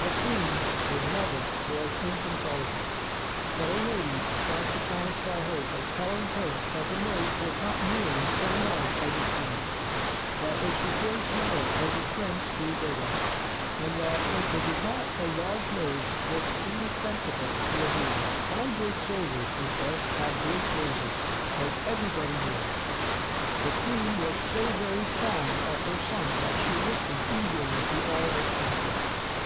The queen, his mother, was inconsolable; but her ladies tried to satisfy her by telling her that the nose was not nearly so large as it seemed, that it would grow smaller as the prince grew bigger, and that if it did not a large nose was indispensable to a hero. All great soldiers, they said, had great noses, as everybody knew. The queen was so very fond of her son that she listened eagerly to all this comfort.